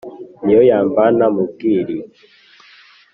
n’izo yavana mu bwiriri